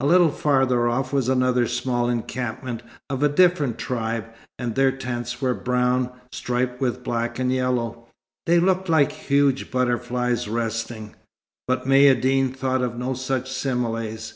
A little farther off was another small encampment of a different tribe; and their tents were brown, striped with black and yellow. They looked like huge butterflies resting. But Maïeddine thought of no such similes.